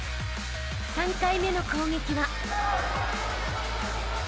［３回目の攻撃は］